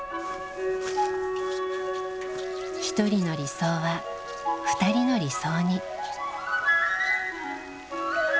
一人の理想は二人の理想に。